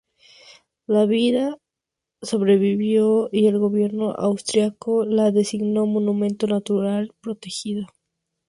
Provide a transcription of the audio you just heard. La vid sobrevivió y el gobierno austríaco la designó monumento natural protegido.